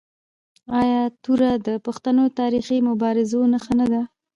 آیا توره د پښتنو د تاریخي مبارزو نښه نه ده؟